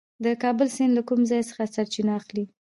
د کابل سیند له کوم ځای څخه سرچینه اخلي؟